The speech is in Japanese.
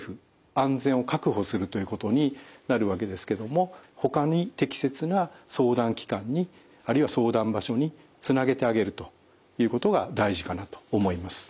安全を確保するということになるわけですけどもほかに適切な相談機関にあるいは相談場所につなげてあげるということが大事かなと思います。